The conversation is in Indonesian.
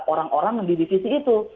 orang orang di divisi itu